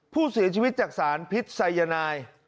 ผู้เสียชีวิตจากสารพิษไซยานาย